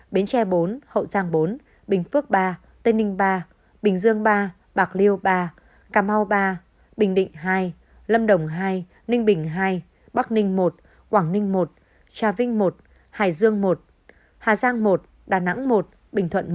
bến tre bốn hậu giang bốn bình phước ba tây ninh ba bình dương ba bạc liêu ba cà mau ba bình định hai lâm đồng hai ninh bình ii bắc ninh một quảng ninh một trà vinh i hải dương một hà giang một đà nẵng một bình thuận